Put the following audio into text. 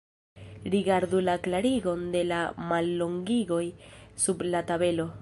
Rigardu la klarigon de la mallongigoj sub la tabelo.